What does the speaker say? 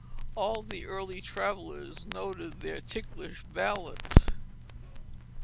All the early travellers noted their ticklish balance.